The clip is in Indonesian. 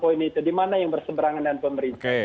delapan poin itu di mana yang berseberangan dengan pemerintah